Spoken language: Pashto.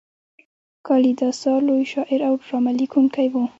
کالیداسا لوی شاعر او ډرامه لیکونکی و.